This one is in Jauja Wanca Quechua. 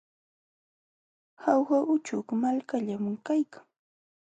Jauja uchuk malkallam kaykan.